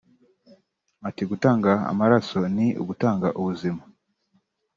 Ati “Gutanga amaraso ni ugutanga ubuzima